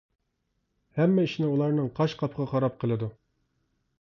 ھەممە ئىشنى ئۇلارنىڭ قاش-قاپىقىغا قاراپ قىلىدۇ.